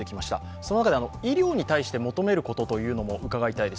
その中で医療に求めることも伺いたいです。